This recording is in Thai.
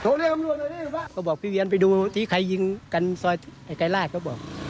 จงก็เรียกกับกรรมกรุงไหนพ่อก็บอกพี่เวียนไปดูปีใกล้ยิงกันไกลราก